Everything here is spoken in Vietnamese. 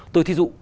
tôi thí dụ